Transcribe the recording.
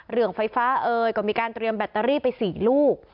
เรื่องไฟฟ้าเอ่ยก็มีการเตรียมแบตเตอรี่ไป๔ลูก